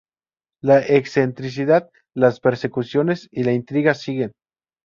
La excentricidad, las persecuciones y la intriga siguen.